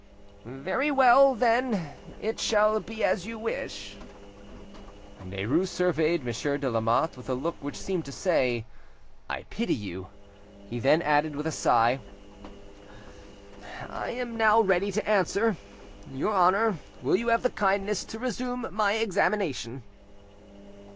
"Very well, then; it shall be as you wish." Derues surveyed Monsieur de Lamotte with a look which seemed to say, "I pity you." He then added, with a sigh— "I am now ready to answer. Your Honour, will you have the kindness to resume my examination?"